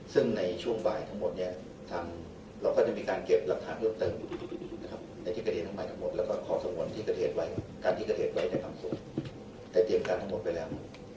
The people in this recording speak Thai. ซึ่งในช่วงบ่ายทั้งหมดเนี่ยเราก็จะมีการเก็บหลักฐานเริ่มเติมในที่กระเด็นใหม่ทั้งหมดแล้วก็ขอสมวนที่กระเทศไว้ในการที่กระเทศไว้ในคำสูตรแต่เตรียมการทั้งหมดไปแล้ว